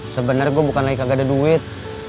sebenarnya gue bukan lagi kagak ada duit